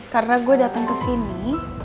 karena gue dateng kesini